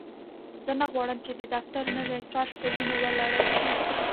زه نه غواړم چې د دفتر نوی فرش په وینو ولړل شي